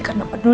karena apa dulu